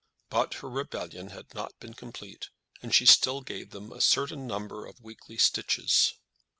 But her rebellion had not been complete, and she still gave them a certain number of weekly stitches.